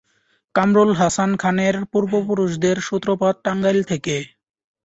কামরুল হাসান খানের পূর্বপুরুষদের সূত্রপাত টাঙ্গাইল থেকে।